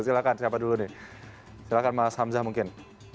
silahkan siapa dulu nih silahkan mas hamzah mungkin